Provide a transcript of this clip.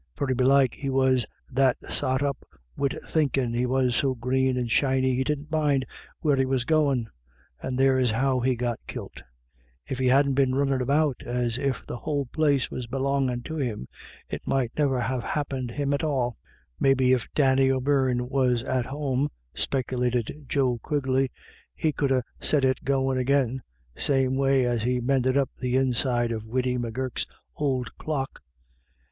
"Very belike he was that sot up wid thinkin' he was so green and shiny, he didn't mind where he was goin', and there's how he got kilt. If he hadn't been runnin' about as if the whole place was belongin' to him, it might niver ha' happint him at all." " Maybe if Danny O'Beirne was at home," speculated Joe Quigley, " he could ha' set it goin' agin, same way as he mended up the inside of widdy M'Gurk's ould • clock.